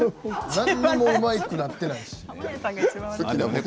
何もうまくなっていないし。